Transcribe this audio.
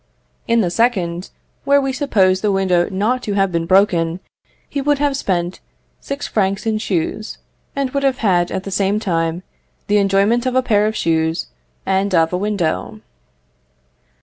In the second, where we suppose the window not to have been broken, he would have spent six francs in shoes, and would have had at the same time the enjoyment of a pair o shoes and of a window.